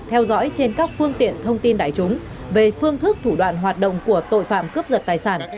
theo dõi trên các phương tiện thông tin đại chúng về phương thức thủ đoạn hoạt động của tội phạm cướp giật tài sản